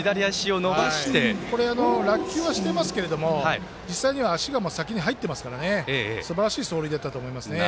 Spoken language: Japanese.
落球はしてますけど実際には足が先に入っていますからすばらしい走塁だったと思います。